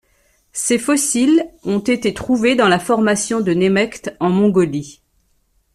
Ses fossiles ont été trouvés dans la Formation de Nemegt en Mongolie.